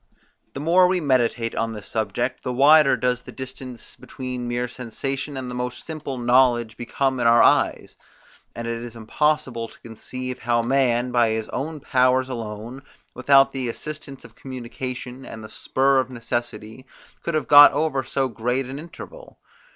The more we meditate on this subject, the wider does the distance between mere sensation and the most simple knowledge become in our eyes; and it is impossible to conceive how man, by his own powers alone, without the assistance of communication, and the spur of necessity, could have got over so great an interval.